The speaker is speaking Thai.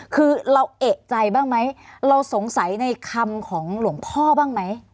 คือเราเอกใจบ้างไหมเราสงสัยในคำของหลวงพ่อบ้างไหม